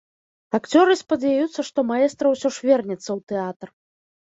Акцёры спадзяюцца, што маэстра ўсё ж вернецца ў тэатр.